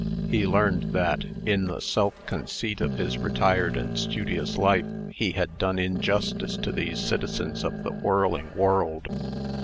He learned that, in the self conceit of his retired and studious life, he had done injustice to these citizens of the whirling world.